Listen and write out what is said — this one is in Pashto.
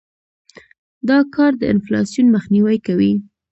دا کار د انفلاسیون مخنیوى کوي.